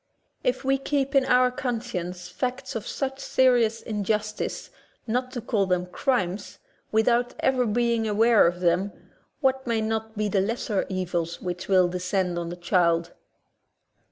If we keep in our conscience facts of such serious injustice, not to call them crimes. without ever being aware of them, what may not be the lesser evils which will descend on the child?